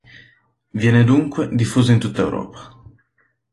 Viene, dunque, diffuso in tutta Europa.